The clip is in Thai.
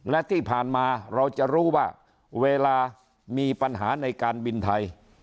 และที่ผ่านมาเราจะรู้ว่าเวลามีปัญหาในการบินไทย